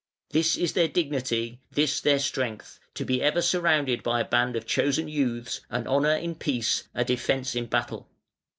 This is their dignity, this their strength, to be ever surrounded by a band of chosen youths, an honour in peace, a defence in battle.